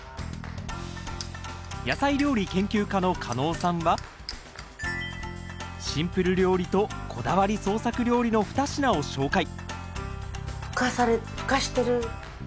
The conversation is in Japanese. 野菜料理研究家のカノウさんはシンプル料理とこだわり創作料理の二品を紹介